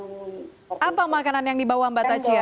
mbak apa makanan yang dibawa mbak taci ya